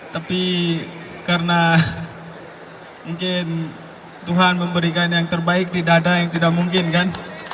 tapi karena mungkin tuhan memberikan yang terbaik tidak ada yang tidak mungkin kan